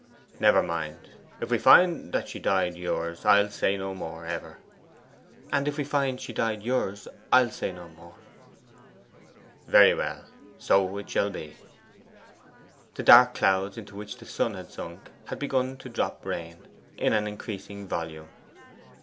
'Never mind. If we find that that she died yours, I'll say no more ever.' 'And if we find she died yours, I'll say no more.' 'Very well so it shall be.' The dark clouds into which the sun had sunk had begun to drop rain in an increasing volume.